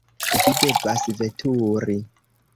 Vi devas veturi!